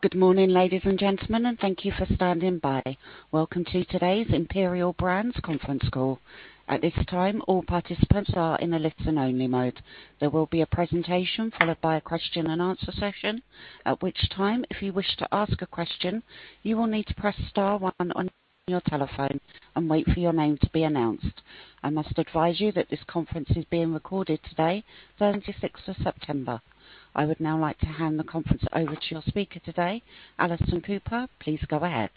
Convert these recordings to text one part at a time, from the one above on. Good morning, ladies and gentlemen, and thank you for standing by. Welcome to today's Imperial Brands conference call. At this time, all participants are in a listen-only mode. There will be a presentation followed by a question-and-answer session. At which time, if you wish to ask a question, you will need to press star one on your telephone and wait for your name to be announced. I must advise you that this conference is being recorded today, 26th of September. I would now like to hand the conference over to your speaker today, Alison Cooper. Please go ahead.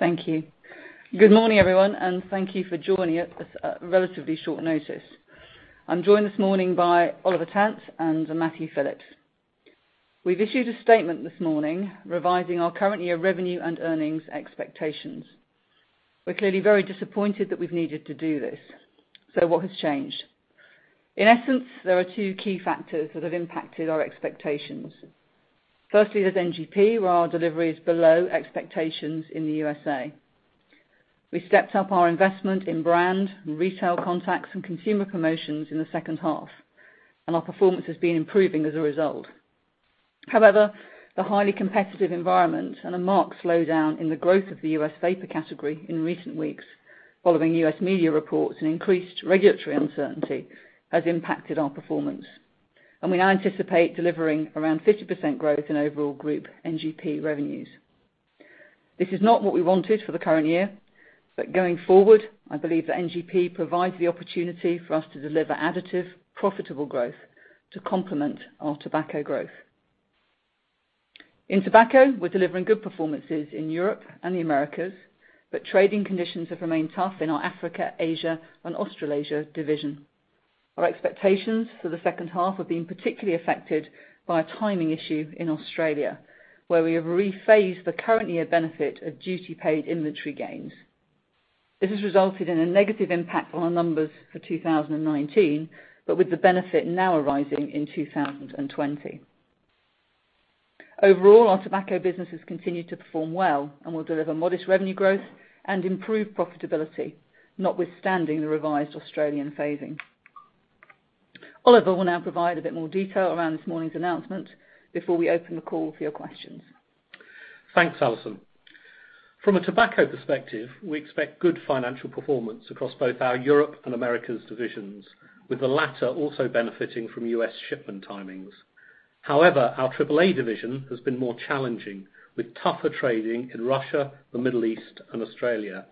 Thank you. Good morning, everyone, and thank you for joining at relatively short notice. I am joined this morning by Oliver Tant and Matthew Phillips. We have issued a statement this morning revising our current year revenue and earnings expectations. We are clearly very disappointed that we have needed to do this. What has changed? In essence, there are two key factors that have impacted our expectations. Firstly, there is NGP, where our delivery is below expectations in the U.S. We stepped up our investment in brand, retail contacts, and consumer promotions in the second half, and our performance has been improving as a result. However, the highly competitive environment and a marked slowdown in the growth of the U.S. vapor category in recent weeks, following U.S. media reports and increased regulatory uncertainty, has impacted our performance. We now anticipate delivering around 50% growth in overall group NGP revenues. This is not what we wanted for the current year, but going forward, I believe that NGP provides the opportunity for us to deliver additive, profitable growth to complement our tobacco growth. In tobacco, we're delivering good performances in Europe and the Americas, but trading conditions have remained tough in our Africa, Asia, and Australasia division. Our expectations for the second half have been particularly affected by a timing issue in Australia, where we have rephased the current year benefit of duty paid inventory gains. This has resulted in a negative impact on our numbers for 2019, but with the benefit now arising in 2020. Overall, our tobacco businesses continue to perform well and will deliver modest revenue growth and improved profitability, notwithstanding the revised Australian phasing. Oliver will now provide a bit more detail around this morning's announcement before we open the call for your questions. Thanks, Alison. From a tobacco perspective, we expect good financial performance across both our Europe and Americas divisions, with the latter also benefiting from U.S. shipment timings. However, our AAA division has been more challenging, with tougher trading in Russia, the Middle East, and Australia.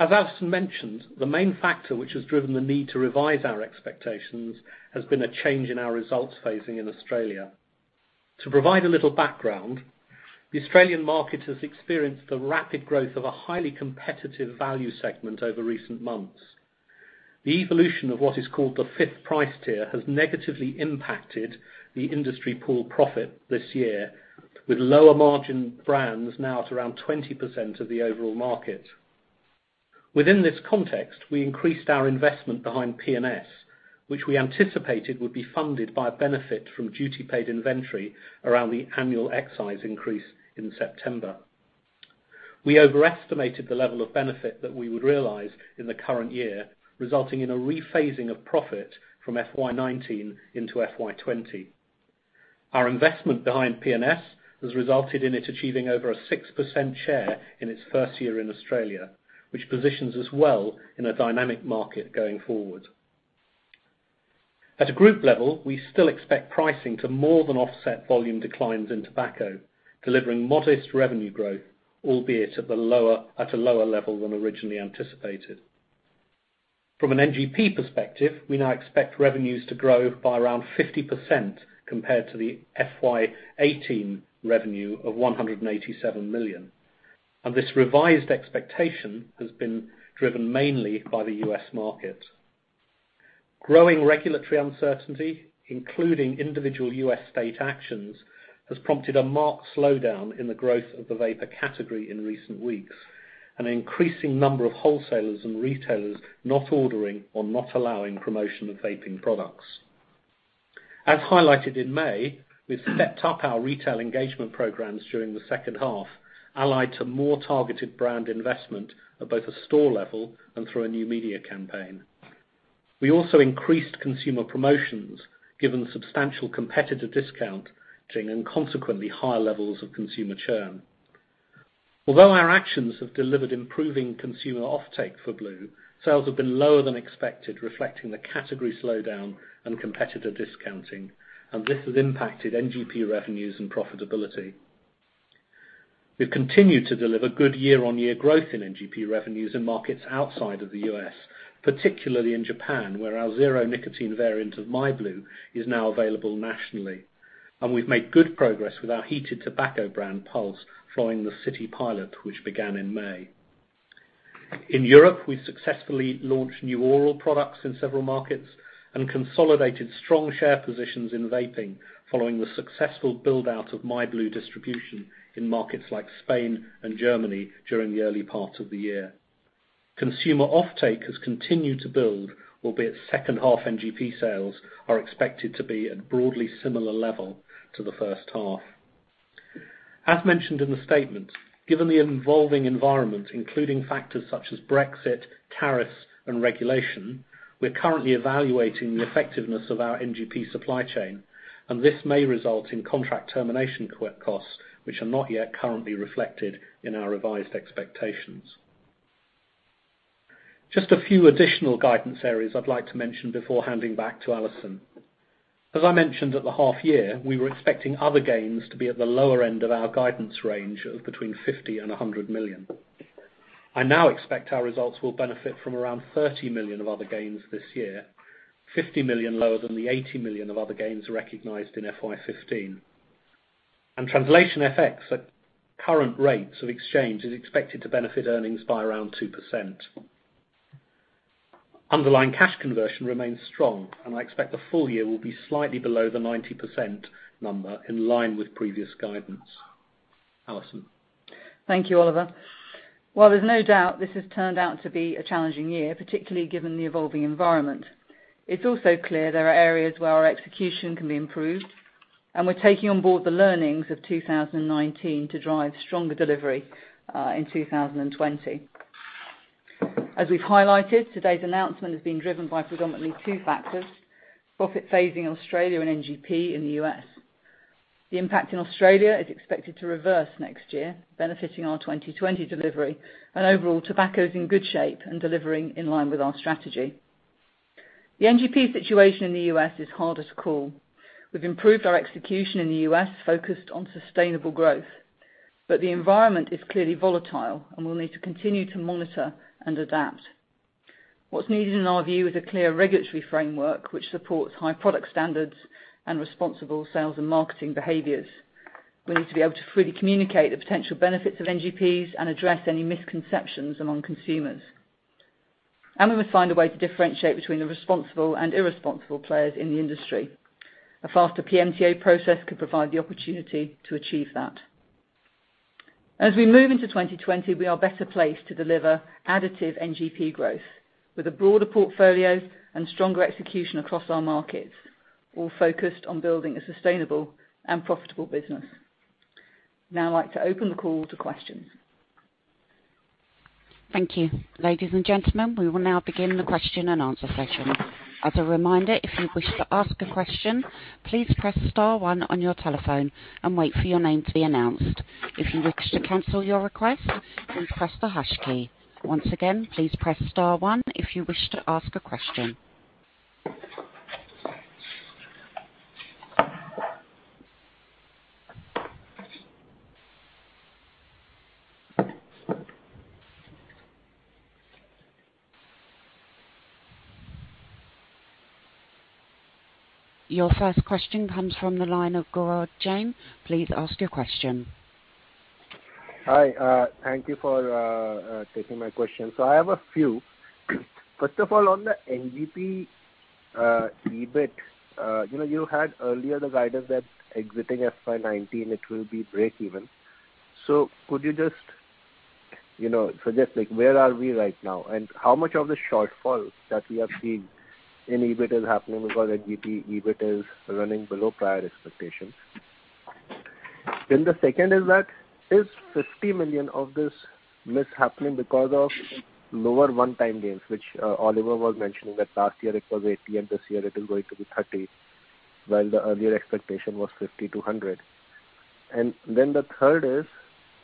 As Alison mentioned, the main factor which has driven the need to revise our expectations has been a change in our results phasing in Australia. To provide a little background, the Australian market has experienced the rapid growth of a highly competitive value segment over recent months. The evolution of what is called the fifth price tier has negatively impacted the industry pool profit this year, with lower margin brands now at around 20% of the overall market. Within this context, we increased our investment behind NGP, which we anticipated would be funded by a benefit from duty paid inventory around the annual excise increase in September. We overestimated the level of benefit that we would realize in the current year, resulting in a rephasing of profit from FY19 into FY20. Our investment behind NGP has resulted in it achieving over a 6% share in its first year in Australia, which positions us well in a dynamic market going forward. At a group level, we still expect pricing to more than offset volume declines in tobacco, delivering modest revenue growth, albeit at a lower level than originally anticipated. From an NGP perspective, we now expect revenues to grow by around 50% compared to the FY18 revenue of 187 million. This revised expectation has been driven mainly by the U.S. market. Growing regulatory uncertainty, including individual U.S. state actions, has prompted a marked slowdown in the growth of the vapor category in recent weeks, an increasing number of wholesalers and retailers not ordering or not allowing promotion of vaping products. As highlighted in May, we've stepped up our retail engagement programs during the second half, allied to more targeted brand investment at both a store level and through a new media campaign. We also increased consumer promotions, given substantial competitor discounting and consequently higher levels of consumer churn. Although our actions have delivered improving consumer offtake for blu, sales have been lower than expected, reflecting the category slowdown and competitor discounting, and this has impacted NGP revenues and profitability. We've continued to deliver good year-on-year growth in NGP revenues in markets outside of the U.S., particularly in Japan, where our zero nicotine variant of myblu is now available nationally. We've made good progress with our heated tobacco brand, Pulze, following the city pilot, which began in May. In Europe, we've successfully launched new oral products in several markets and consolidated strong share positions in vaping, following the successful build-out of myblu distribution in markets like Spain and Germany during the early part of the year. Consumer offtake has continued to build, albeit second half NGP sales are expected to be at broadly similar level to the first half. As mentioned in the statement, given the evolving environment, including factors such as Brexit, tariffs, and regulation, we're currently evaluating the effectiveness of our NGP supply chain, and this may result in contract termination costs, which are not yet currently reflected in our revised expectations. Just a few additional guidance areas I'd like to mention before handing back to Alison. As I mentioned at the half year, we were expecting other gains to be at the lower end of our guidance range of between 50 million and 100 million. I now expect our results will benefit from around 30 million of other gains this year, 50 million lower than the 80 million of other gains recognized in FY15. Translation FX at current rates of exchange is expected to benefit earnings by around 2%. Underlying cash conversion remains strong, and I expect the full year will be slightly below the 90% number in line with previous guidance. Alison. Thank you, Oliver. While there's no doubt this has turned out to be a challenging year, particularly given the evolving environment, it's also clear there are areas where our execution can be improved, and we're taking on board the learnings of 2019 to drive stronger delivery in 2020. As we've highlighted, today's announcement has been driven by predominantly two factors, profit phasing in Australia and NGP in the U.S. The impact in Australia is expected to reverse next year, benefiting our 2020 delivery, and overall tobacco is in good shape and delivering in line with our strategy. The NGP situation in the U.S. is harder to call. We've improved our execution in the U.S., focused on sustainable growth. The environment is clearly volatile, and we'll need to continue to monitor and adapt. What's needed in our view is a clear regulatory framework which supports high product standards and responsible sales and marketing behaviors. We need to be able to freely communicate the potential benefits of NGPs and address any misconceptions among consumers. We must find a way to differentiate between the responsible and irresponsible players in the industry. A faster PMTA process could provide the opportunity to achieve that. As we move into 2020, we are better placed to deliver additive NGP growth with a broader portfolio and stronger execution across our markets, all focused on building a sustainable and profitable business. Now I'd like to open the call to questions. Thank you. Ladies and gentlemen, we will now begin the question and answer session. As a reminder, if you wish to ask a question, please press star one on your telephone and wait for your name to be announced. If you wish to cancel your request, please press the hash key. Once again, please press star one if you wish to ask a question. Your first question comes from the line of Gaurav Jain. Please ask your question. Hi. Thank you for taking my question. I have a few. First of all, on the NGP EBIT, you had earlier the guidance that exiting FY 2019 it will be break even. Could you just suggest, where are we right now, and how much of the shortfall that we are seeing in EBIT is happening because NGP EBIT is running below prior expectations? The second is that, is 50 million of this miss happening because of lower one-time gains, which Oliver was mentioning that last year it was 80 and this year it is going to be 30, while the earlier expectation was 50 to 100. The third is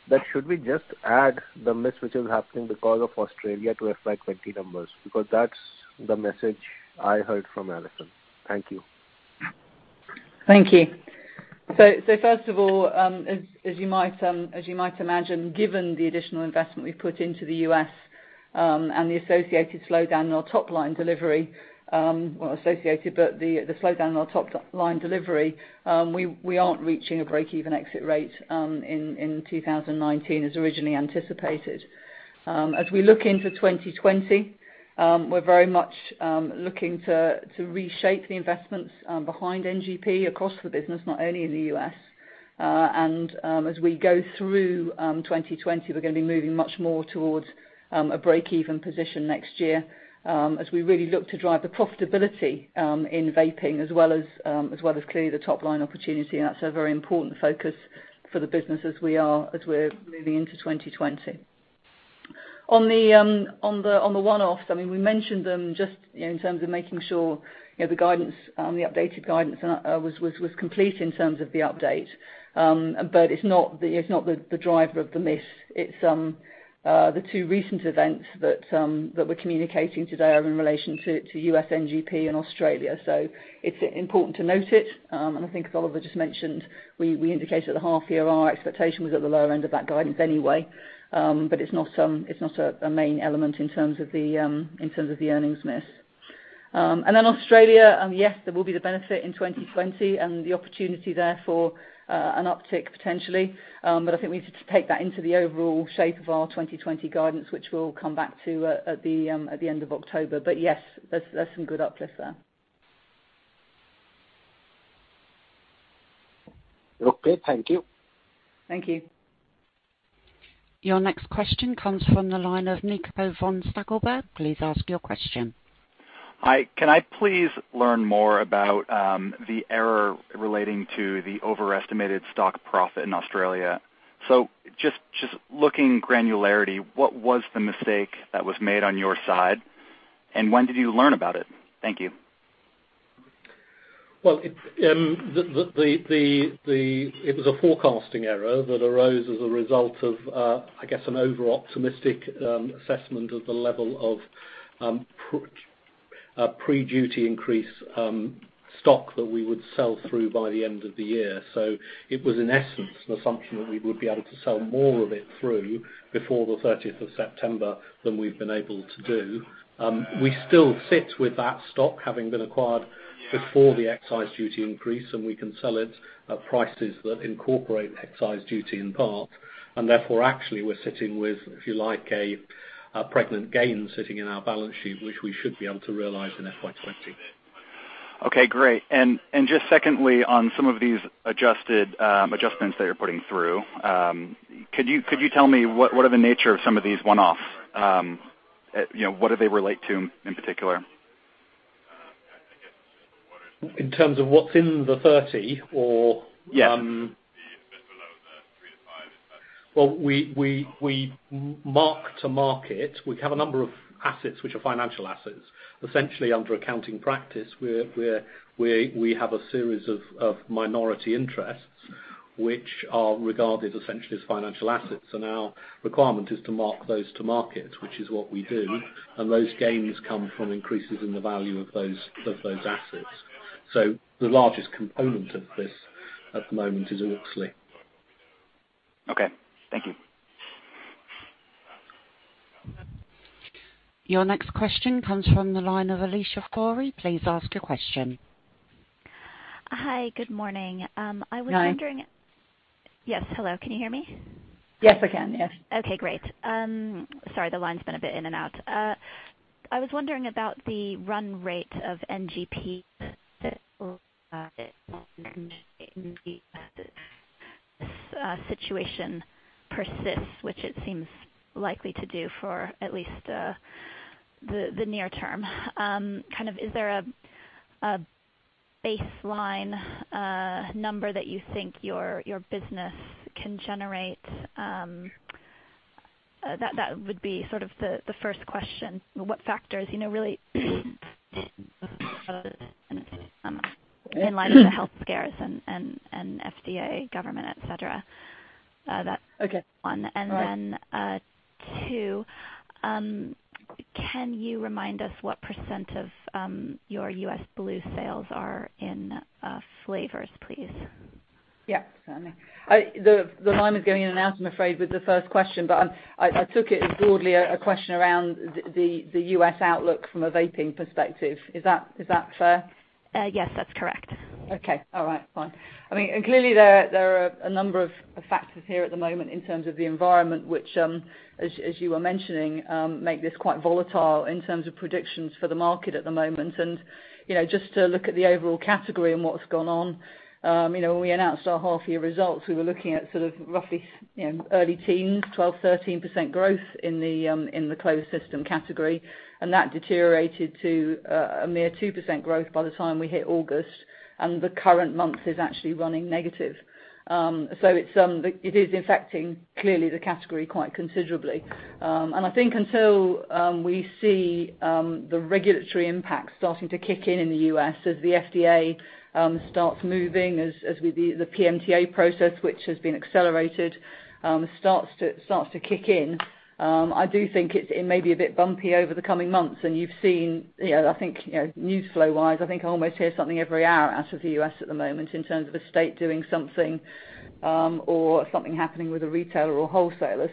that should we just add the miss which is happening because of Australia to FY 2020 numbers? That's the message I heard from Alison. Thank you. Thank you. First of all, as you might imagine, given the additional investment we've put into the U.S., and the associated slowdown in our top line delivery, well, associated, but the slowdown in our top line delivery, we aren't reaching a break-even exit rate in 2019 as originally anticipated. As we look into 2020, we're very much looking to reshape the investments behind NGP across the business, not only in the U.S. As we go through 2020, we're going to be moving much more towards a break-even position next year, as we really look to drive the profitability in vaping as well as clearly the top-line opportunity, that's a very important focus for the business as we're moving into 2020. On the one-offs, we mentioned them just in terms of making sure the updated guidance was complete in terms of the update. It's not the driver of the miss. It's the two recent events that we're communicating today are in relation to U.S. NGP and Australia. It's important to note it. I think as Oliver just mentioned, we indicated at the half year our expectation was at the lower end of that guidance anyway. It's not a main element in terms of the earnings miss. Australia, yes, there will be the benefit in 2020 and the opportunity there for an uptick potentially. I think we need to take that into the overall shape of our 2020 guidance, which we'll come back to at the end of October. Yes, there's some good uplift there. Okay. Thank you. Thank you. Your next question comes from the line of Nico von Stackelberg. Please ask your question. Hi. Can I please learn more about the error relating to the overestimated stock profit in Australia? Just looking granularity, what was the mistake that was made on your side, and when did you learn about it? Thank you. Well, it was a forecasting error that arose as a result of, I guess, an over-optimistic assessment of the level of pre-duty increase stock that we would sell through by the end of the year. It was in essence the assumption that we would be able to sell more of it through before the 30th of September than we've been able to do. We still sit with that stock having been acquired before the excise duty increase, and we can sell it at prices that incorporate excise duty in part. Therefore, actually we're sitting with, if you like, a pregnant gain sitting in our balance sheet, which we should be able to realize in FY20. Okay, great. Just secondly, on some of these adjustments that you're putting through, could you tell me what are the nature of some of these one-offs? What do they relate to in particular? In terms of what's in the 30 or- Yes. Well, we mark to market. We have a number of assets which are financial assets. Essentially under accounting practice, we have a series of minority interests, which are regarded essentially as financial assets. Our requirement is to mark those to market, which is what we do. Those gains come from increases in the value of those assets. The largest component of this at the moment is Oxley. Okay. Thank you. Your next question comes from the line of Alicia Forry. Please ask your question. Hi. Good morning. Hi. I was wondering. Yes, hello. Can you hear me? Yes, I can. Yes. Okay, great. Sorry, the line's been a bit in and out. I was wondering about the run rate of NGP situation persists, which it seems likely to do for at least the near term. Is there a baseline number that you think your business can generate? That would be sort of the first question. What factors, really in light of the health scares and FDA government, et cetera? Okay. That one. All right. Two, can you remind us what % of your U.S. blu sales are in flavors, please? Yeah, certainly. The line is going in and out, I'm afraid, with the first question, but I took it as broadly a question around the U.S. outlook from a vaping perspective. Is that fair? Yes, that's correct. Okay. All right, fine. Clearly there are a number of factors here at the moment in terms of the environment, which, as you were mentioning, make this quite volatile in terms of predictions for the market at the moment. Just to look at the overall category and what's gone on. When we announced our half year results, we were looking at sort of roughly early teens, 12%, 13% growth in the closed system category, and that deteriorated to a mere 2% growth by the time we hit August, and the current month is actually running negative. It is affecting, clearly the category quite considerably. I think until we see the regulatory impact starting to kick in in the U.S. as the FDA starts moving, as the PMTA process, which has been accelerated, starts to kick in. I do think it may be a bit bumpy over the coming months. You've seen, I think news flow-wise, I think almost hear something every hour out of the U.S. at the moment in terms of a state doing something, or something happening with a retailer or wholesaler.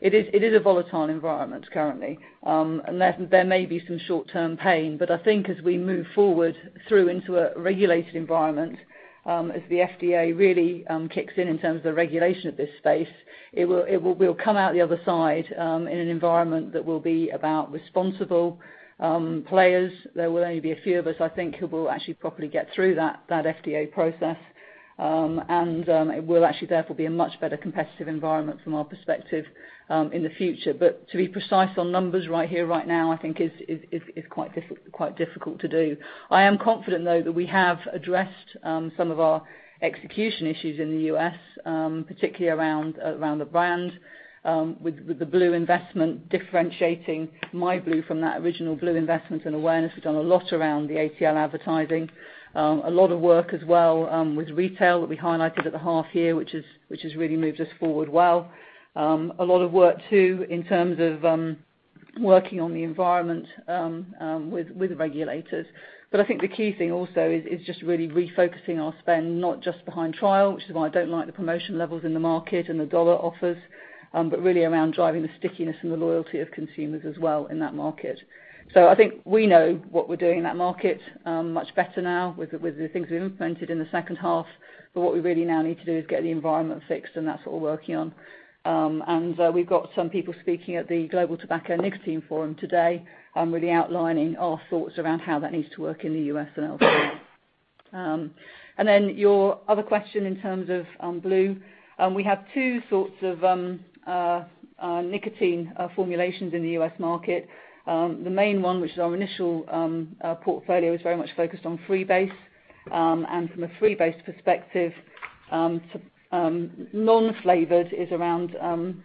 It is a volatile environment currently. There may be some short-term pain, I think as we move forward through into a regulated environment, as the FDA really kicks in in terms of the regulation of this space, we'll come out the other side, in an environment that will be about responsible players. There will only be a few of us, I think, who will actually properly get through that FDA process. It will actually therefore be a much better competitive environment from our perspective, in the future. To be precise on numbers right here, right now, I think is quite difficult to do. I am confident, though, that we have addressed some of our execution issues in the U.S., particularly around the brand, with the blu investment differentiating myblu from that original blu investment and awareness. We've done a lot around the ATL advertising. A lot of work as well, with retail that we highlighted at the half year, which has really moved us forward well. A lot of work too, in terms of working on the environment with regulators. I think the key thing also is just really refocusing our spend, not just behind trial, which is why I don't like the promotion levels in the market and the $ offers, but really around driving the stickiness and the loyalty of consumers as well in that market. I think we know what we're doing in that market much better now with the things we've implemented in the second half. What we really now need to do is get the environment fixed, and that's what we're working on. We've got some people speaking at the Global Tobacco & Nicotine Forum today, really outlining our thoughts around how that needs to work in the U.S. and elsewhere. Then your other question in terms of blu. We have two sorts of nicotine formulations in the U.S. market. The main one, which is our initial portfolio, is very much focused on freebase. From a freebase perspective, non-flavored is around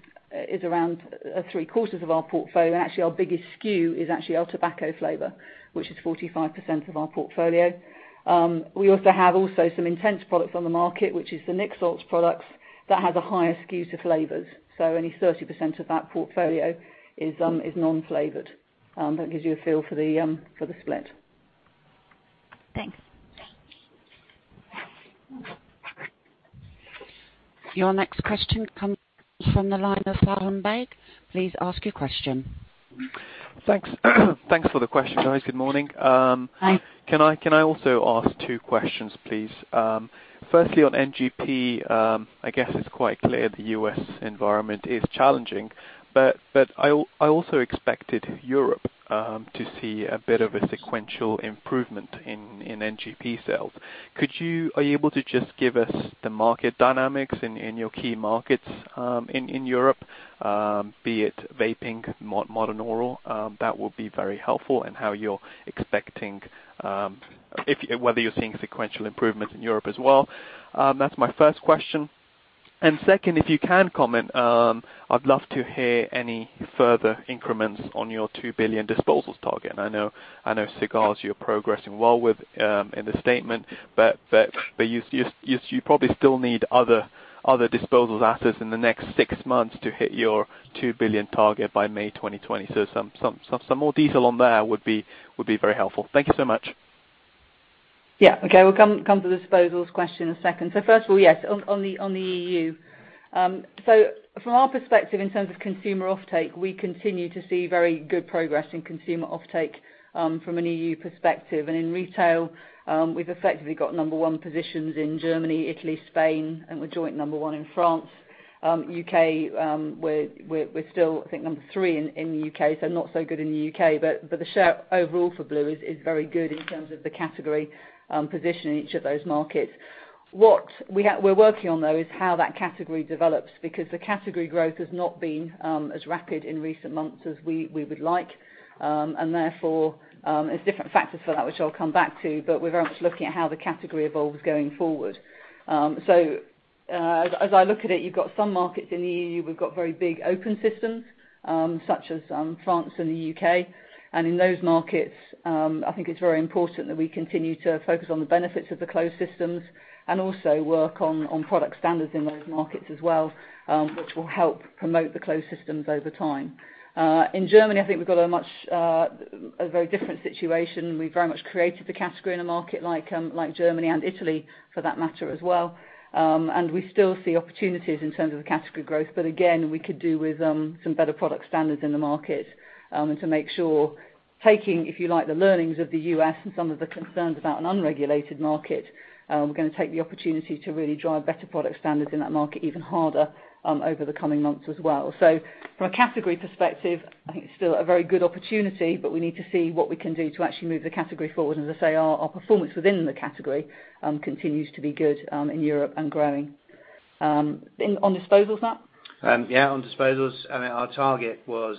three-quarters of our portfolio. Our biggest SKU is actually our tobacco flavor, which is 45% of our portfolio. We also have some intense products on the market, which is the Nic salts products that have a higher SKU to flavors. Only 30% of that portfolio is non-flavored. That gives you a feel for the split. Thanks. Your next question comes from the line of Sanam Bagga. Please ask your question. Thanks for the question, guys. Good morning. Hi. Can I also ask two questions, please? Firstly, on NGP, I guess it's quite clear the U.S. environment is challenging, but I also expected Europe to see a bit of a sequential improvement in NGP sales. Are you able to just give us the market dynamics in your key markets in Europe, be it vaping, modern oral? That would be very helpful. Whether you're seeing sequential improvements in Europe as well. That's my first question. Second, if you can comment, I'd love to hear any further increments on your 2 billion disposals target. I know cigars you're progressing well with in the statement, but you probably still need other disposals assets in the next six months to hit your 2 billion target by May 2020. Some more detail on there would be very helpful. Thank you so much. Okay. We'll come to the disposals question in a second. First of all, yes, on the EU. From our perspective, in terms of consumer offtake, we continue to see very good progress in consumer offtake from an EU perspective. In retail, we've effectively got number 1 positions in Germany, Italy, Spain, and we're joint number 1 in France. U.K., we're still, I think, number 3 in the U.K., so not so good in the U.K. The share overall for blu is very good in terms of the category position in each of those markets. What we're working on, though, is how that category develops, because the category growth has not been as rapid in recent months as we would like. Therefore, there's different factors for that, which I'll come back to, but we're very much looking at how the category evolves going forward. As I look at it, you've got some markets in the EU, we've got very big open systems, such as France and the U.K., and in those markets, I think it's very important that we continue to focus on the benefits of the closed systems and also work on product standards in those markets as well, which will help promote the closed systems over time. In Germany, I think we've got a very different situation. We've very much created the category in a market like Germany and Italy for that matter as well, and we still see opportunities in terms of the category growth. Again, we could do with some better product standards in the market, and to make sure, taking, if you like, the learnings of the U.S. and some of the concerns about an unregulated market, we're going to take the opportunity to really drive better product standards in that market even harder over the coming months as well. From a category perspective, I think it's still a very good opportunity, but we need to see what we can do to actually move the category forward. As I say, our performance within the category continues to be good in Europe and growing. On disposals, Matt? Yeah, on disposals, our target was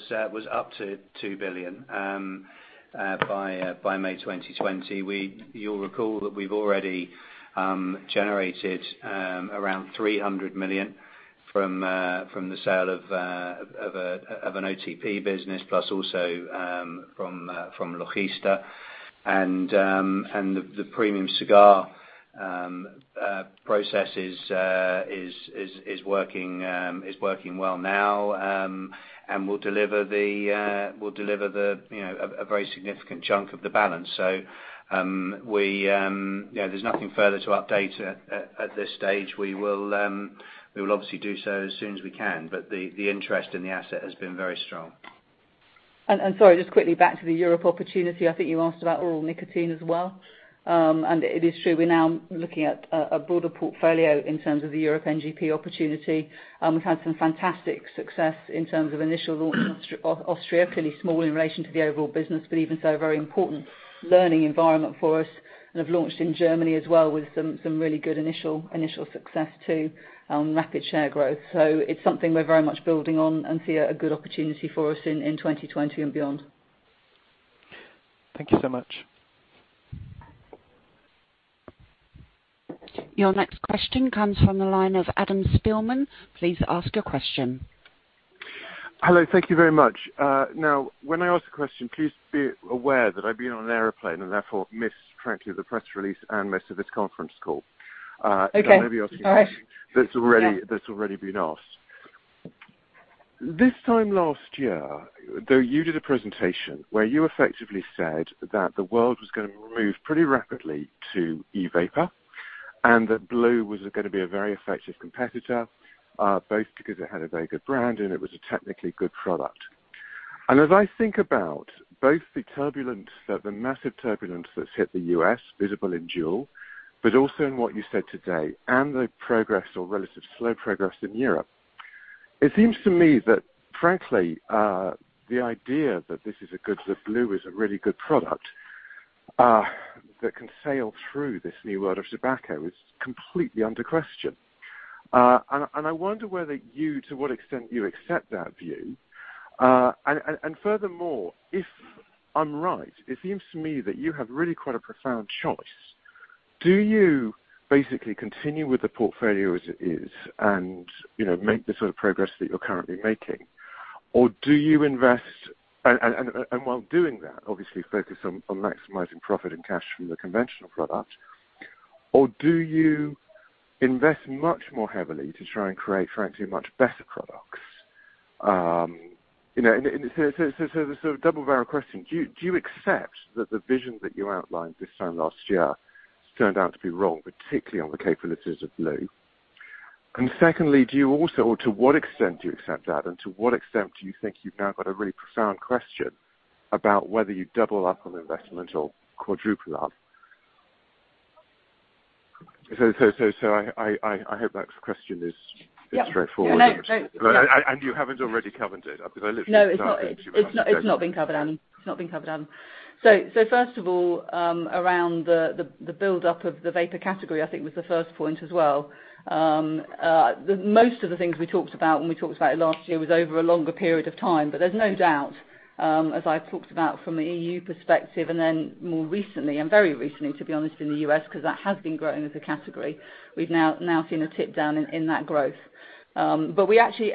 up to 2 billion by May 2020. You'll recall that we've already generated around 300 million from the sale of an OTP business, plus also from Logista. The premium cigar process is working well now, and will deliver a very significant chunk of the balance. There's nothing further to update at this stage. We will obviously do so as soon as we can. The interest in the asset has been very strong. Sorry, just quickly back to the Europe opportunity. I think you asked about oral nicotine as well. It is true, we're now looking at a broader portfolio in terms of the Europe NGP opportunity. We've had some fantastic success in terms of initial launch in Austria. Clearly small in relation to the overall business, but even so, a very important learning environment for us, and have launched in Germany as well with some really good initial success too on rapid share growth. It's something we're very much building on and see a good opportunity for us in 2020 and beyond. Thank you so much. Your next question comes from the line of Adam Spielman. Please ask your question. Hello. Thank you very much. When I ask a question, please be aware that I've been on an airplane and therefore missed frankly the press release and most of this conference call. Okay. All right. I may be asking something that's already been asked. This time last year, though you did a presentation where you effectively said that the world was gonna move pretty rapidly to e-vapor and that blu was gonna be a very effective competitor, both because it had a very good brand and it was a technically good product. As I think about both the massive turbulence that's hit the U.S. visible in JUUL, but also in what you said today, and the progress or relative slow progress in Europe. It seems to me that, frankly, the idea that blu is a really good product that can sail through this new world of tobacco is completely under question. I wonder whether you, to what extent you accept that view. Furthermore, if I'm right, it seems to me that you have really quite a profound choice. Do you basically continue with the portfolio as it is, and make the sort of progress that you're currently making? While doing that, obviously focus on maximizing profit and cash from the conventional product. Do you invest much more heavily to try and create, frankly, much better products? A double-barrel question. Do you accept that the vision that you outlined this time last year has turned out to be wrong, particularly on the capabilities of blu? Secondly, do you also, or to what extent do you accept that, and to what extent do you think you've now got a really profound question about whether you double up on investment or quadruple up? I hope that question is straightforward. Yeah. No. You haven't already covered it. No, it's not been covered, Adam. First of all, around the buildup of the vapor category, I think was the first point as well. There's no doubt, as I've talked about from the EU perspective, and then more recently, and very recently, to be honest, in the U.S., because that has been growing as a category. We've now seen a tip-down in that growth. We actually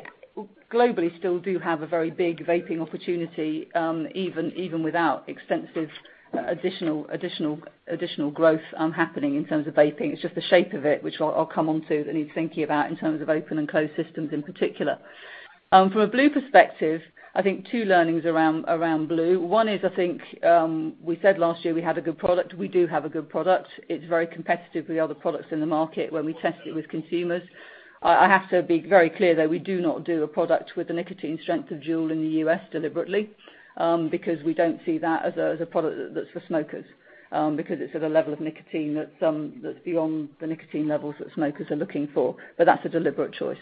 globally still do have a very big vaping opportunity, even without extensive additional growth happening in terms of vaping. It's just the shape of it, which I'll come onto that need thinking about in terms of open and closed systems in particular. From a blu perspective, I think two learnings around blu. One is, I think we said last year we had a good product. We do have a good product. It's very competitive with the other products in the market when we test it with consumers. I have to be very clear, though, we do not do a product with the nicotine strength of JUUL in the U.S. deliberately, because we don't see that as a product that's for smokers, because it's at a level of nicotine that's beyond the nicotine levels that smokers are looking for. That's a deliberate choice.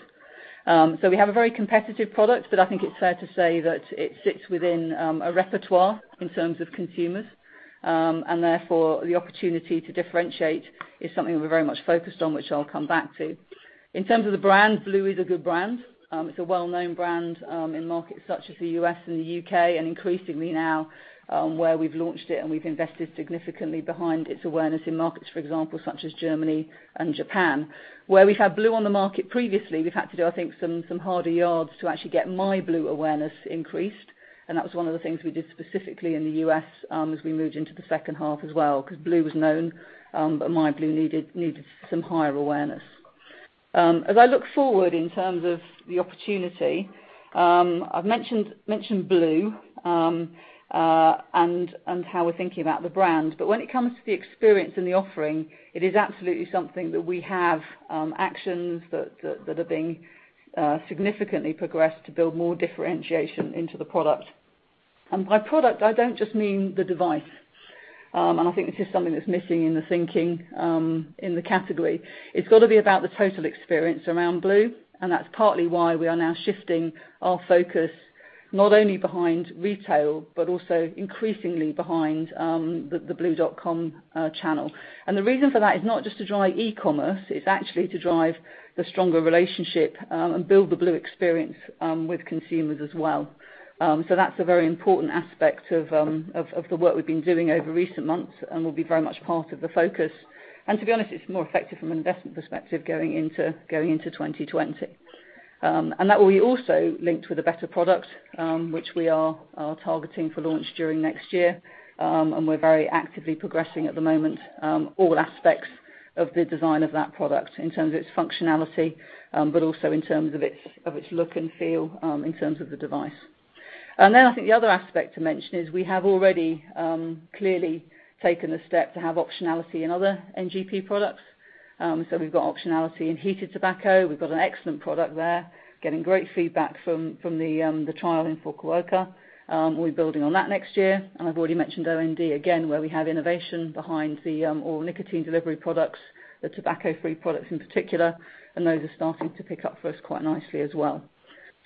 We have a very competitive product, but I think it's fair to say that it sits within a repertoire in terms of consumers. Therefore, the opportunity to differentiate is something we're very much focused on, which I'll come back to. In terms of the brand, blu is a good brand. It's a well-known brand in markets such as the U.S. and the U.K. Increasingly now where we've launched it, we've invested significantly behind its awareness in markets, for example, such as Germany and Japan. Where we've had blu on the market previously, we've had to do, I think, some harder yards to actually get myBlu awareness increased. That was one of the things we did specifically in the U.S. as we moved into the second half as well. Because blu was known, myBlu needed some higher awareness. As I look forward in terms of the opportunity, I've mentioned blu, and how we're thinking about the brand. When it comes to the experience and the offering, it is absolutely something that we have actions that are being significantly progressed to build more differentiation into the product. By product, I don't just mean the device. I think this is something that's missing in the thinking in the category. It's got to be about the total experience around blu, and that's partly why we are now shifting our focus, not only behind retail, but also increasingly behind the blu.com channel. The reason for that is not just to drive e-commerce, it's actually to drive the stronger relationship and build the blu experience with consumers as well. That's a very important aspect of the work we've been doing over recent months and will be very much part of the focus. To be honest, it's more effective from an investment perspective going into 2020. That will be also linked with a better product, which we are targeting for launch during next year. We're very actively progressing at the moment all aspects of the design of that product in terms of its functionality, but also in terms of its look and feel in terms of the device. I think the other aspect to mention is we have already clearly taken a step to have optionality in other NGP products. We've got optionality in heated tobacco. We've got an excellent product there, getting great feedback from the trial in Fukuoka. We'll be building on that next year. I've already mentioned OND again, where we have innovation behind the oral nicotine delivery products, the tobacco-free products in particular, and those are starting to pick up for us quite nicely as well.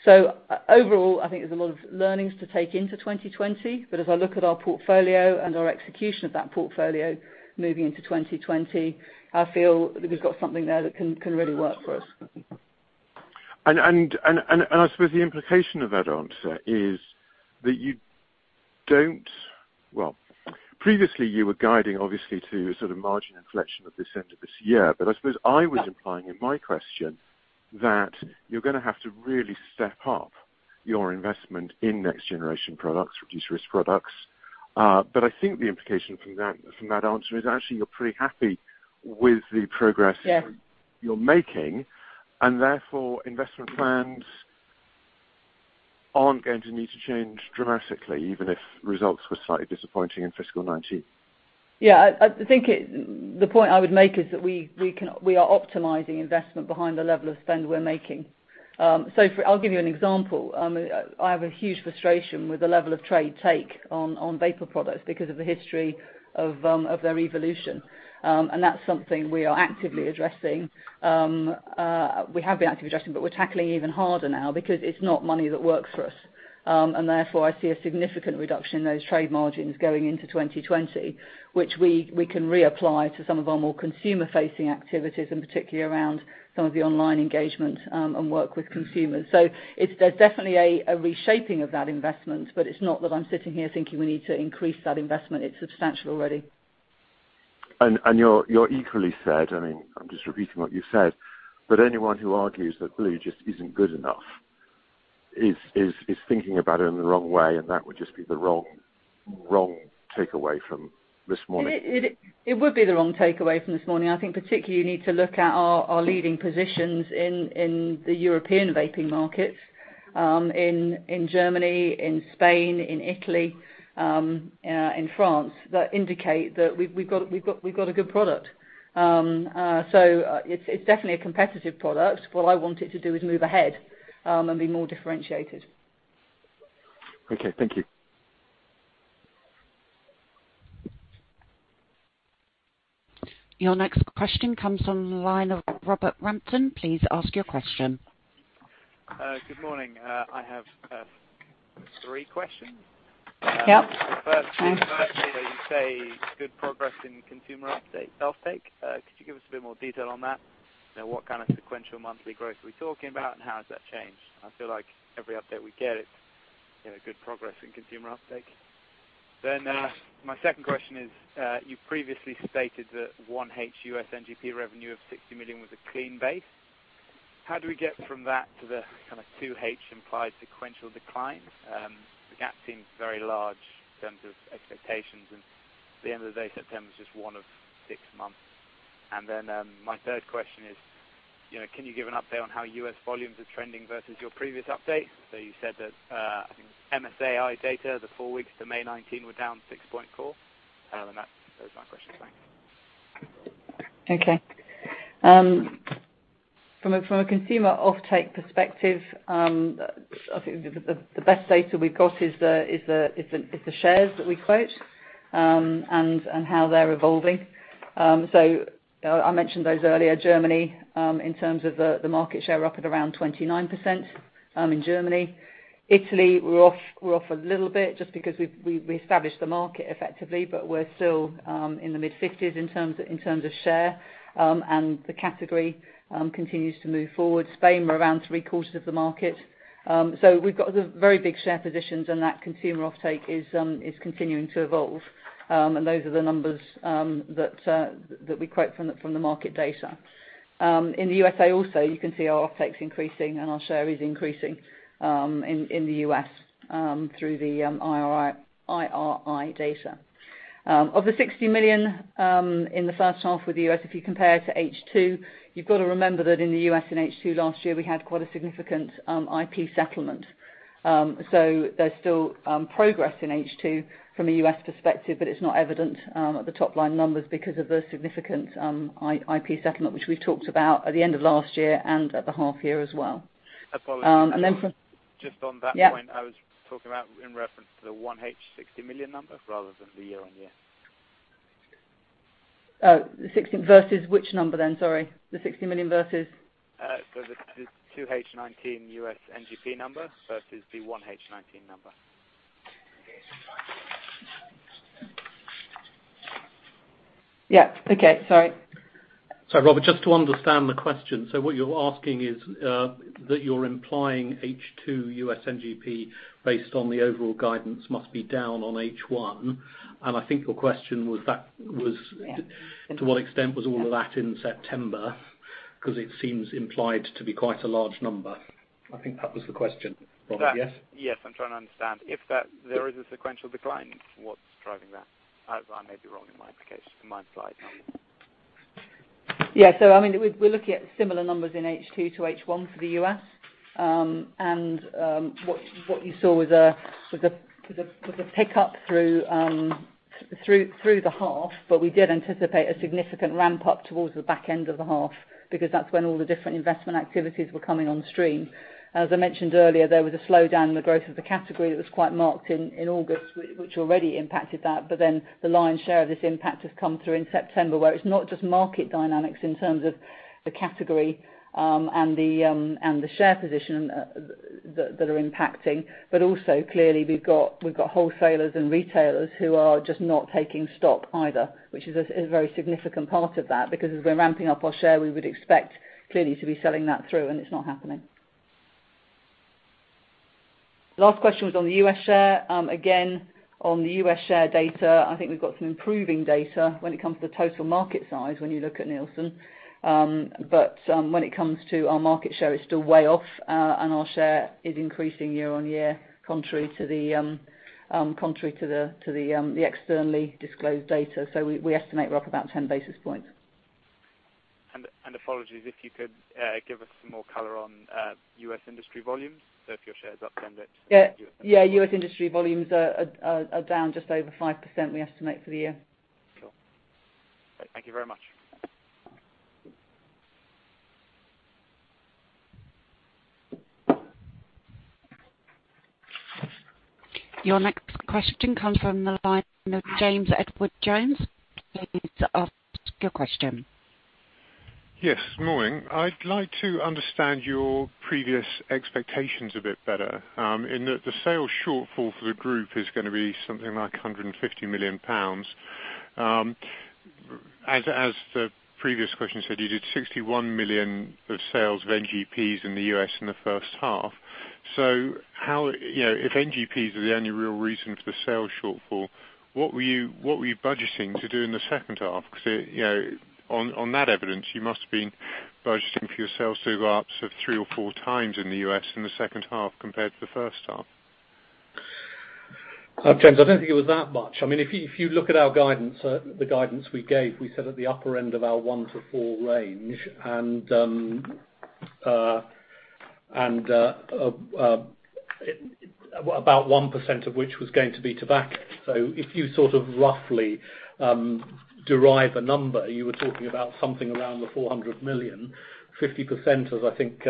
Overall, I think there's a lot of learnings to take into 2020, but as I look at our portfolio and our execution of that portfolio moving into 2020, I feel that we've got something there that can really work for us. I suppose the implication of that answer is that Well, previously you were guiding obviously to sort of margin inflection at this end of this year. I suppose I was implying in my question that you're going to have to really step up your investment in Next Generation Products, reduced-risk products. I think the implication from that answer is actually you're pretty happy with the progress. Yeah you're making, and therefore investment plans aren't going to need to change dramatically, even if results were slightly disappointing in fiscal 2019. Yeah. I think the point I would make is that we are optimizing investment behind the level of spend we're making. I'll give you an example. I have a huge frustration with the level of trade take on vapor products because of the history of their evolution. That's something we are actively addressing. We have been actively addressing, but we're tackling even harder now because it's not money that works for us. Therefore, I see a significant reduction in those trade margins going into 2020, which we can reapply to some of our more consumer-facing activities, and particularly around some of the online engagement and work with consumers. There's definitely a reshaping of that investment, but it's not that I'm sitting here thinking we need to increase that investment. It's substantial already. You equally said, I'm just repeating what you said, but anyone who argues that blu just isn't good enough is thinking about it in the wrong way, and that would just be the wrong takeaway from this morning. It would be the wrong takeaway from this morning. I think particularly you need to look at our leading positions in the European vaping markets, in Germany, in Spain, in Italy, in France, that indicate that we've got a good product. It's definitely a competitive product. What I want it to do is move ahead and be more differentiated. Okay. Thank you. Your next question comes on the line of Robert Rampton. Please ask your question. Good morning. I have three questions. Yep. The first is where you say good progress in consumer offtake. Could you give us a bit more detail on that? What kind of sequential monthly growth are we talking about, and how has that changed? I feel like every update we get, it's good progress in consumer offtake. My second question is you previously stated that 1H U.S. NGP revenue of $60 million was a clean base. How do we get from that to the 2H implied sequential decline? The gap seems very large in terms of expectations, and at the end of the day, September is just one of six months. My third question is can you give an update on how U.S. volumes are trending versus your previous update? You said that MSAi data, the four weeks to May 19, were down 6.4%. Those are my questions. Thanks. Okay. From a consumer offtake perspective, I think the best data we've got is the shares that we quote and how they're evolving. I mentioned those earlier. Germany, in terms of the market share, we're up at around 29% in Germany. Italy, we're off a little bit just because we established the market effectively, but we're still in the mid-50s in terms of share, and the category continues to move forward. Spain, we're around three-quarters of the market. We've got very big share positions, and that consumer offtake is continuing to evolve. Those are the numbers that we quote from the market data. In the U.S. also, you can see our offtake's increasing and our share is increasing in the U.S. through the IRI data. Of the $60 million in the first half with the U.S., if you compare to H2, you've got to remember that in the U.S. in H2 last year, we had quite a significant IP settlement. There's still progress in H2 from a U.S. perspective, but it's not evident at the top-line numbers because of the significant IP settlement, which we talked about at the end of last year and at the half year as well. Apologies. And then from- Just on that point. Yeah. I was talking about in reference to the 1H $60 million number rather than the year-on-year. Oh. Versus which number then? Sorry. The 60 million versus? The 2H 2019 U.S. NGP number versus the 1H 2019 number. Yeah. Okay. Sorry. Sorry, Robert, just to understand the question. What you're asking is that you're implying H2 U.S. NGP, based on the overall guidance, must be down on H1. Yeah to what extent was all of that in September, because it seems implied to be quite a large number. I think that was the question, Robert. Yes? Yes. I'm trying to understand. If there is a sequential decline, what's driving that? I may be wrong in my slide number. Yeah. We're looking at similar numbers in H2 to H1 for the U.S. What you saw was a pick-up through the half. We did anticipate a significant ramp-up towards the back end of the half because that's when all the different investment activities were coming on stream. As I mentioned earlier, there was a slowdown in the growth of the category that was quite marked in August, which already impacted that. The lion's share of this impact has come through in September, where it's not just market dynamics in terms of the category and the share position that are impacting. Also, clearly we've got wholesalers and retailers who are just not taking stock either, which is a very significant part of that because as we're ramping up our share, we would expect clearly to be selling that through, and it's not happening. Last question was on the U.S. share. On the U.S. share data, I think we've got some improving data when it comes to the total market size when you look at Nielsen. When it comes to our market share, it's still way off, and our share is increasing year-on-year, contrary to the externally disclosed data. We estimate we're up about 10 basis points. Apologies, if you could give us some more color on U.S. industry volumes. If your share is up. Yeah. U.S. industry volumes are down just over 5%, we estimate, for the year. Sure. Thank you very much. Your next question comes from the line of James Edwardes Jones. Please ask your question. Yes, morning. I'd like to understand your previous expectations a bit better, in that the sales shortfall for the group is going to be something like £150 million. As the previous question said, you did $61 million of sales of NGPs in the U.S. in the first half. If NGPs are the only real reason for the sales shortfall, what were you budgeting to do in the second half? Because, on that evidence, you must have been budgeting for your sales to go up sort of three or four times in the U.S. in the second half compared to the first half. James, I don't think it was that much. If you look at our guidance, the guidance we gave, we said at the upper end of our one to four range, and about 1% of which was going to be tobacco. If you roughly derive a number, you were talking about something around 400 million. 50%, as I think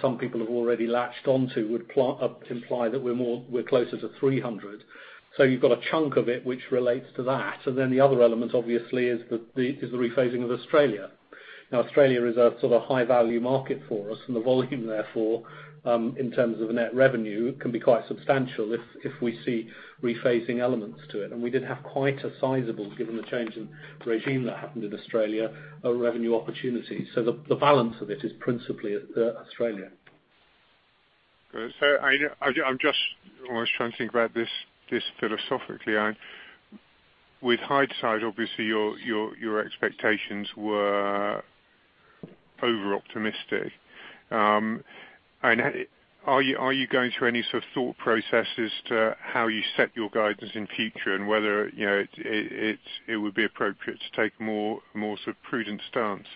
some people have already latched onto, would imply that we're closer to 300. You've got a chunk of it which relates to that, and then the other element obviously is the rephasing of Australia. Australia is a high-value market for us, and the volume therefore, in terms of the net revenue, can be quite substantial if we see rephasing elements to it. We did have quite a sizable, given the change in regime that happened in Australia, revenue opportunity. The balance of it is principally Australia. I'm just almost trying to think about this philosophically. With hindsight, obviously, your expectations were over-optimistic. Are you going through any sort of thought processes to how you set your guidance in future and whether it would be appropriate to take a more sort of prudent stance?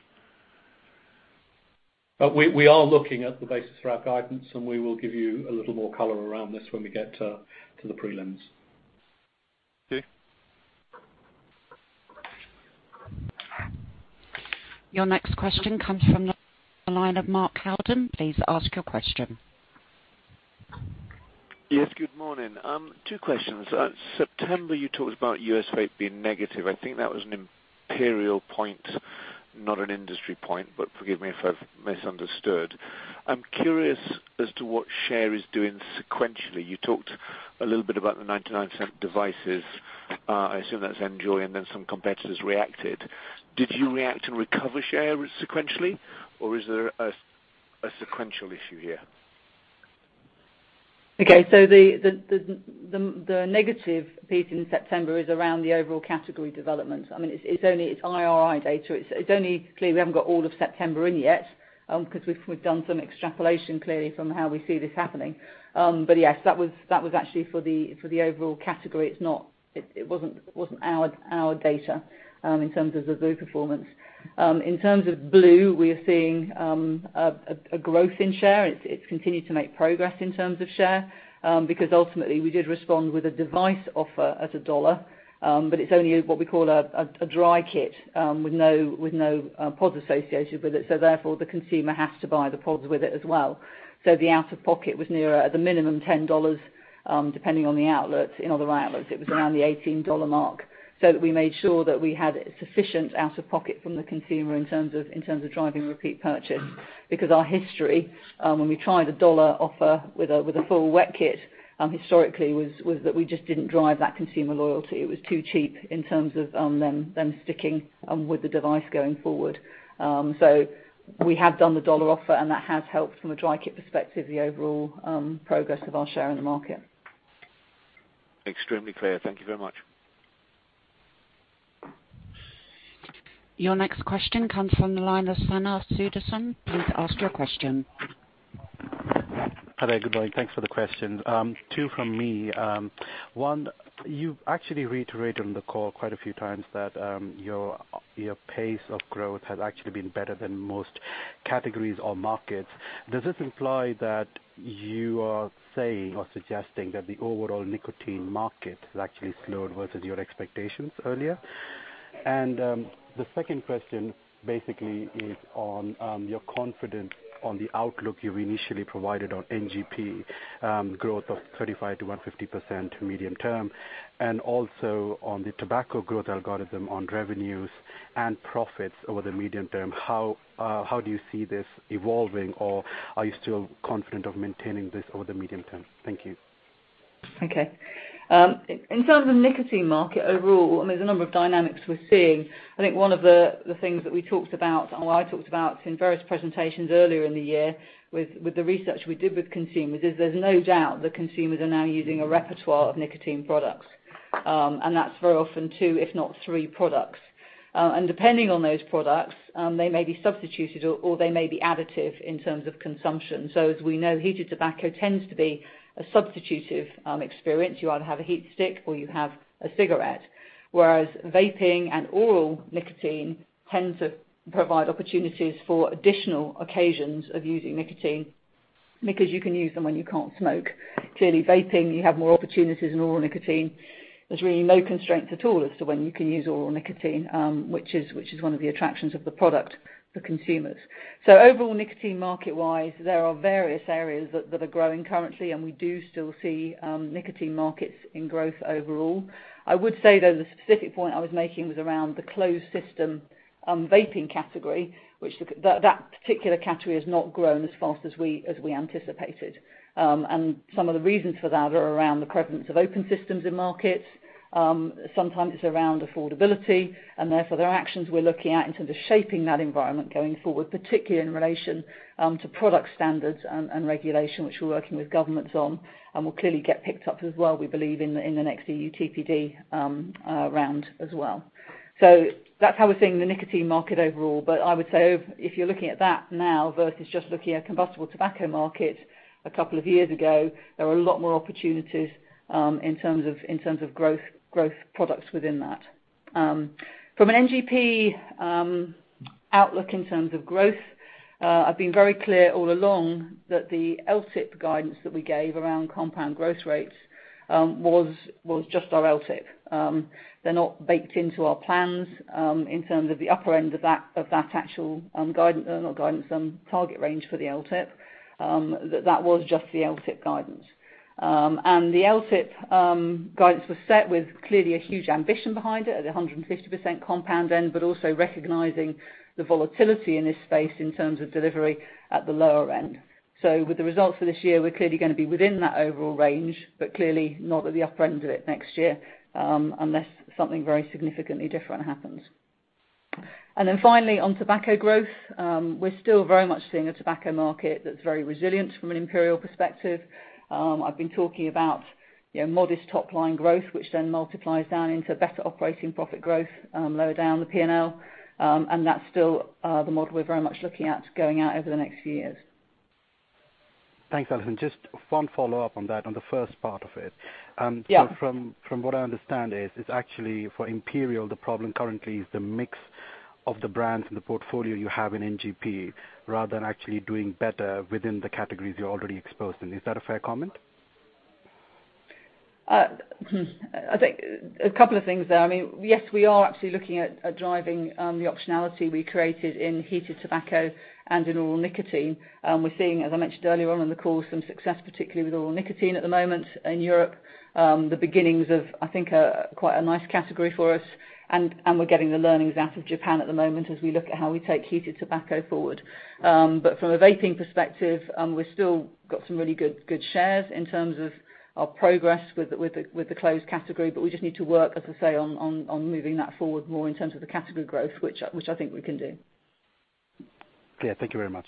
We are looking at the basis for our guidance, and we will give you a little more color around this when we get to the prelims. Okay. Your next question comes from the line of Mark Haden. Please ask your question. Good morning. Two questions. September, you talked about U.S. vape being negative. I think that was an Imperial point, not an industry point, but forgive me if I've misunderstood. I'm curious as to what share is doing sequentially. You talked a little bit about the $0.99 devices. I assume that's NJOY and then some competitors reacted. Did you react and recover share sequentially, or is there a sequential issue here? The negative piece in September is around the overall category development. It's IRI data. It's only clear we haven't got all of September in yet, because we've done some extrapolation clearly from how we see this happening. Yes, that was actually for the overall category. It wasn't our data in terms of the blu performance. In terms of blu, we are seeing a growth in share. It's continued to make progress in terms of share, because ultimately we did respond with a device offer at a dollar. It's only what we call a dry kit, with no pods associated with it, so therefore the consumer has to buy the pods with it as well. The out-of-pocket was nearer at the minimum $10, depending on the outlet. In other outlets it was around the $18 mark. We made sure that we had sufficient out-of-pocket from the consumer in terms of driving repeat purchase. Our history, when we tried a dollar offer with a full wet kit, historically was that we just didn't drive that consumer loyalty. It was too cheap in terms of them sticking with the device going forward. We have done the dollar offer, and that has helped from a dry kit perspective, the overall progress of our share in the market. Extremely clear. Thank you very much. Your next question comes from the line of Sana Suderson. Please ask your question. Hello, good morning. Thanks for the questions. Two from me. One, you actually reiterated on the call quite a few times that your pace of growth has actually been better than most categories or markets. Does this imply that you are saying or suggesting that the overall nicotine market has actually slowed versus your expectations earlier? The second question basically is on your confidence on the outlook you initially provided on NGP growth of 35%-150% medium term, also on the tobacco growth algorithm on revenues and profits over the medium term. How do you see this evolving, or are you still confident of maintaining this over the medium term? Thank you. In terms of nicotine market overall, there's a number of dynamics we're seeing. I think one of the things that we talked about, and what I talked about in various presentations earlier in the year with the research we did with consumers, is there's no doubt that consumers are now using a repertoire of nicotine products. That's very often two if not three products. Depending on those products, they may be substituted, or they may be additive in terms of consumption. As we know, heated tobacco tends to be a substitutive experience. You either have a heat stick or you have a cigarette. Vaping and oral nicotine tends to provide opportunities for additional occasions of using nicotine. Because you can use them when you can't smoke. Clearly, vaping, you have more opportunities than oral nicotine. There's really no constraints at all as to when you can use oral nicotine, which is one of the attractions of the product for consumers. Overall, nicotine market-wise, there are various areas that are growing currently, and we do still see nicotine markets in growth overall. I would say, though, the specific point I was making was around the closed system vaping category. That particular category has not grown as fast as we anticipated. Some of the reasons for that are around the prevalence of open systems in markets. Sometimes it's around affordability, and therefore, there are actions we're looking at in terms of shaping that environment going forward, particularly in relation to product standards and regulation, which we're working with governments on, and will clearly get picked up as well, we believe, in the next EUTPD round as well. That's how we're seeing the nicotine market overall. I would say if you're looking at that now versus just looking at combustible tobacco market a couple of years ago, there are a lot more opportunities in terms of growth products within that. From an NGP outlook in terms of growth, I've been very clear all along that the LTIP guidance that we gave around compound growth rates was just our LTIP. They're not baked into our plans in terms of the upper end of that actual target range for the LTIP. That was just the LTIP guidance. The LTIP guidance was set with clearly a huge ambition behind it at 150% compound end, but also recognizing the volatility in this space in terms of delivery at the lower end. With the results for this year, we're clearly going to be within that overall range, but clearly not at the upper end of it next year, unless something very significantly different happens. Finally, on tobacco growth, we're still very much seeing a tobacco market that's very resilient from an Imperial perspective. I've been talking about modest top-line growth, which then multiplies down into better operating profit growth lower down the P&L, and that's still the model we're very much looking at going out over the next few years. Thanks, Alison. Just one follow-up on that, on the first part of it. Yeah. From what I understand is, it's actually for Imperial, the problem currently is the mix of the brands in the portfolio you have in NGP, rather than actually doing better within the categories you're already exposed in. Is that a fair comment? A couple of things there. Yes, we are actually looking at driving the optionality we created in heated tobacco and in oral nicotine. We're seeing, as I mentioned earlier on in the call, some success, particularly with oral nicotine at the moment in Europe. The beginnings of, I think, quite a nice category for us, and we're getting the learnings out of Japan at the moment as we look at how we take heated tobacco forward. From a vaping perspective, we've still got some really good shares in terms of our progress with the closed category, but we just need to work, as I say, on moving that forward more in terms of the category growth, which I think we can do. Yeah. Thank you very much.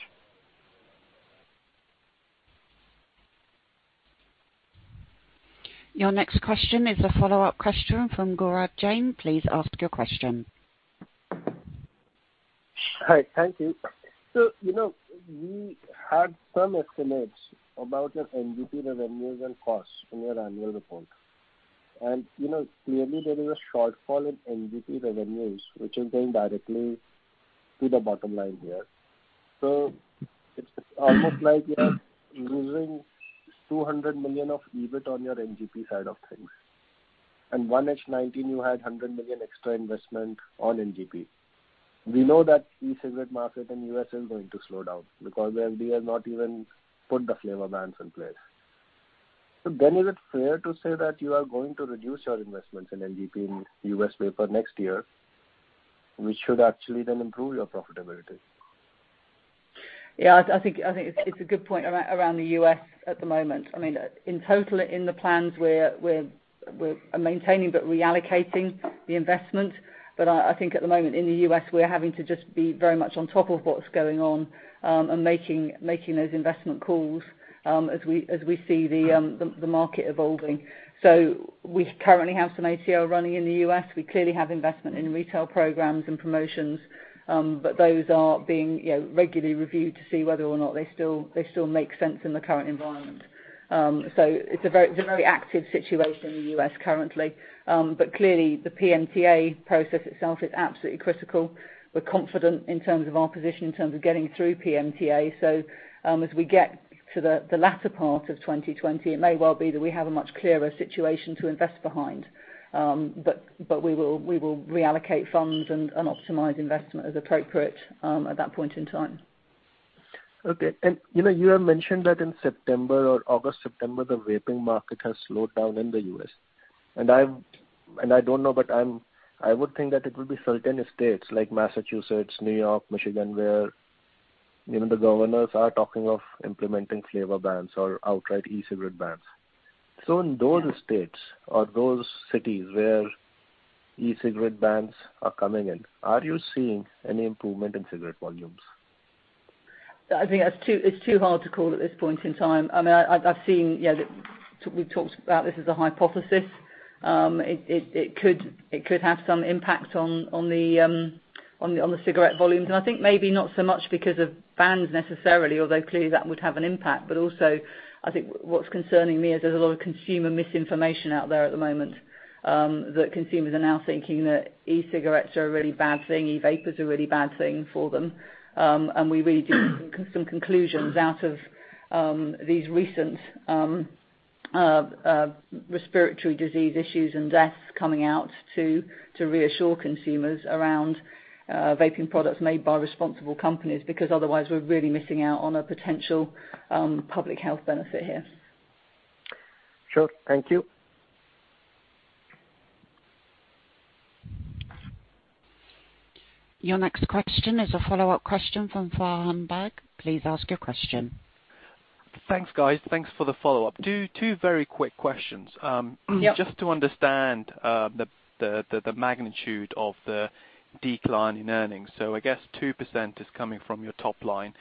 Your next question is a follow-up question from Gaurav Jain. Please ask your question. Hi, thank you. We had some estimates about your NGP revenues and costs from your annual report. Clearly there is a shortfall in NGP revenues, which is going directly to the bottom line here. It's almost like you are losing 200 million of EBIT on your NGP side of things. 1H 2019, you had 100 million extra investment on NGP. We know that e-cigarette market in U.S. is going to slow down because the FDA has not even put the flavor bans in place. Is it fair to say that you are going to reduce your investments in NGP in U.S. vapor next year, which should actually then improve your profitability? Yeah, I think it's a good point around the U.S. at the moment. In total, in the plans, we're maintaining but reallocating the investment. I think at the moment in the U.S., we're having to just be very much on top of what's going on, and making those investment calls as we see the market evolving. We currently have some ATL running in the U.S. We clearly have investment in retail programs and promotions. Those are being regularly reviewed to see whether or not they still make sense in the current environment. It's a very active situation in the U.S. currently. Clearly the PMTA process itself is absolutely critical. We're confident in terms of our position in terms of getting through PMTA. As we get to the latter part of 2020, it may well be that we have a much clearer situation to invest behind. We will reallocate funds and optimize investment as appropriate at that point in time. Okay. You have mentioned that in September or August, September, the vaping market has slowed down in the U.S. I don't know, but I would think that it will be certain states like Massachusetts, New York, Michigan, where even the governors are talking of implementing flavor bans or outright e-cigarette bans. In those states or those cities where e-cigarette bans are coming in, are you seeing any improvement in cigarette volumes? I think it's too hard to call at this point in time. We've talked about this as a hypothesis. It could have some impact on the cigarette volumes, and I think maybe not so much because of bans necessarily, although clearly that would have an impact. Also, I think what's concerning me is there's a lot of consumer misinformation out there at the moment, that consumers are now thinking that e-cigarettes are a really bad thing, e-vapors are a really bad thing for them, and we really drew some conclusions out of these recent respiratory disease issues and deaths coming out to reassure consumers around vaping products made by responsible companies, because otherwise we're really missing out on a potential public health benefit here. Sure. Thank you. Your next question is a follow-up question from Sanam Bagga. Please ask your question. Thanks, guys. Thanks for the follow-up. Two very quick questions. Yep. Just to understand the magnitude of the decline in earnings. I guess 2% is coming from your top line,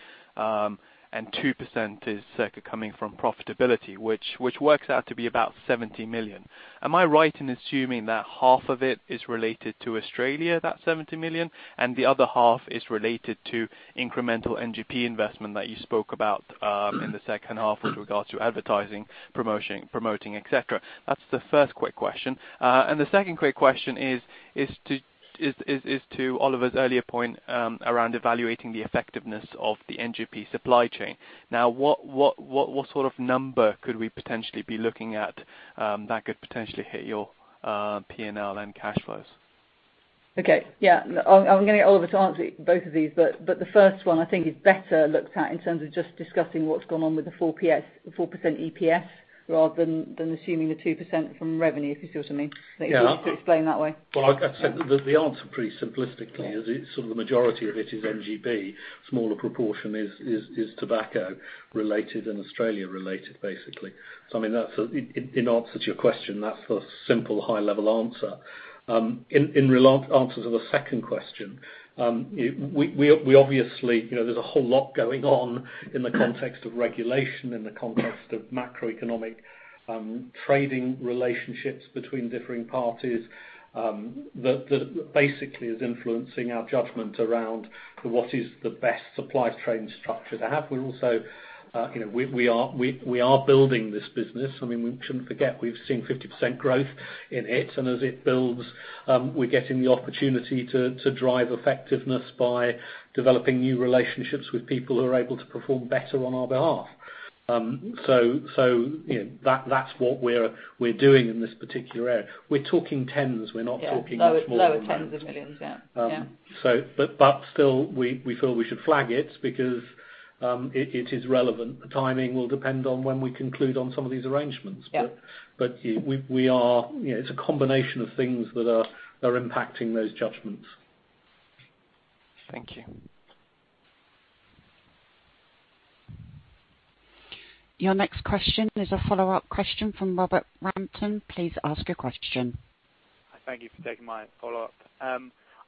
and 2% is circling, coming from profitability, which works out to be about 70 million. Am I right in assuming that half of it is related to Australia, that 70 million, and the other half is related to incremental NGP investment that you spoke about in the second half with regards to advertising, promoting, et cetera? That's the first quick question. The second quick question is to Oliver's earlier point around evaluating the effectiveness of the NGP supply chain. What sort of number could we potentially be looking at that could potentially hit your P&L and cash flows? Okay. Yeah. I'm going to get Oliver to answer both of these. The first one I think is better looked at in terms of just discussing what's gone on with the 4% EPS rather than assuming the 2% from revenue, if you see what I mean. Yeah. I think it's easier to explain that way. I'd say the answer pretty simplistically is it's sort of the majority of it is NGP. Smaller proportion is tobacco related and Australia related, basically. In answer to your question, that's the simple high level answer. In answers of the second question, there's a whole lot going on in the context of regulation, in the context of macroeconomic trading relationships between differing parties, that basically is influencing our judgment around what is the best supply chain structure to have. We are building this business. We shouldn't forget we've seen 50% growth in it, and as it builds, we're getting the opportunity to drive effectiveness by developing new relationships with people who are able to perform better on our behalf. That's what we're doing in this particular area. We're talking tens. We're not talking smaller amounts. Yeah. GBP lower tens of millions. Yeah. Still, we feel we should flag it because it is relevant. The timing will depend on when we conclude on some of these arrangements. Yep. It's a combination of things that are impacting those judgments. Thank you. Your next question is a follow-up question from Robert Rampton. Please ask your question. Thank you for taking my follow-up.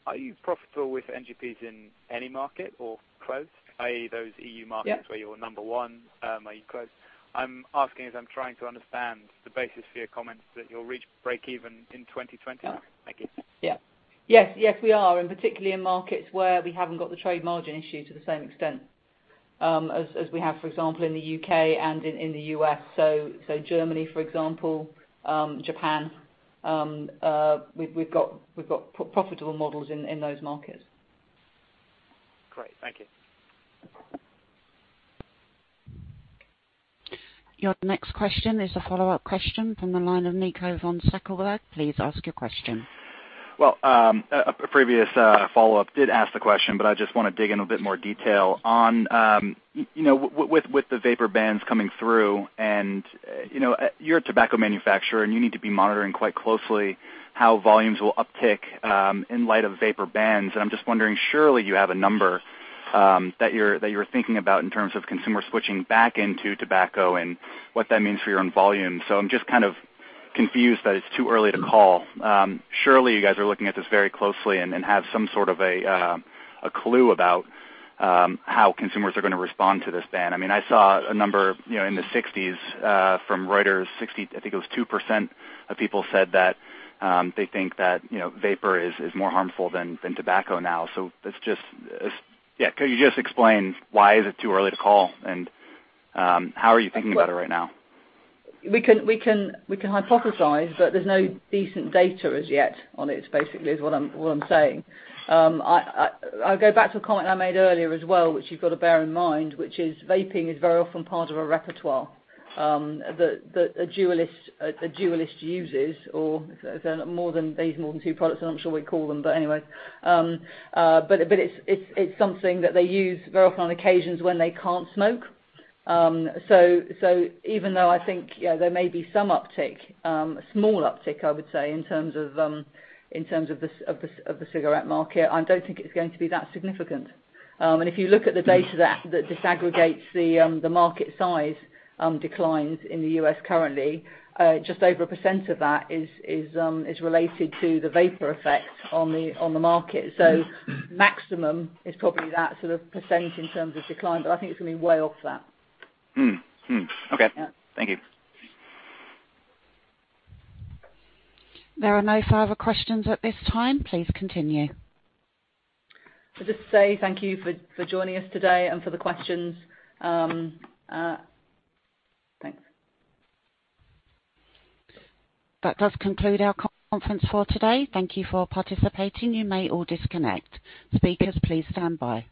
Are you profitable with NGPs in any market or close, i.e., those EU markets? Yeah where you're number 1, are you close? I'm asking as I'm trying to understand the basis for your comments that you'll reach break even in 2029. Thank you. Yeah. Yes. We are. Particularly in markets where we haven't got the trade margin issue to the same extent as we have, for example, in the U.K. and in the U.S. Germany, for example, Japan, we've got profitable models in those markets. Great. Thank you. Your next question is a follow-up question from the line of Nico von Stackelberg. Please ask your question. Well, a previous follow-up did ask the question, but I just want to dig in a bit more detail on with the vapor bans coming through, and you're a tobacco manufacturer, and you need to be monitoring quite closely how volumes will uptick in light of vapor bans. I'm just wondering, surely you have a number that you're thinking about in terms of consumers switching back into tobacco and what that means for your own volume. I'm just kind of confused that it's too early to call. Surely you guys are looking at this very closely and have some sort of a clue about how consumers are going to respond to this ban. I saw a number in the 60s from Reuters, 62% of people said that they think that vapor is more harmful than tobacco now. Can you just explain why is it too early to call, and how are you thinking about it right now? We can hypothesize, but there's no decent data as yet on it, basically is all I'm saying. I go back to a comment I made earlier as well, which you've got to bear in mind, which is vaping is very often part of a repertoire that a dualist uses, or if they're using more than two products, I'm not sure what we'd call them, but anyway. It's something that they use very often on occasions when they can't smoke. Even though I think there may be some uptick, a small uptick, I would say, in terms of the cigarette market, I don't think it's going to be that significant. If you look at the data that disaggregates the market size declines in the U.S. currently, just over 1% of that is related to the vapor effect on the market. Maximum is probably that sort of % in terms of decline, but I think it's going to be way off that. Okay. Yeah. Thank you. There are no further questions at this time. Please continue. I'll just say thank you for joining us today and for the questions. Thanks. That does conclude our conference for today. Thank you for participating. You may all disconnect. Speakers, please stand by.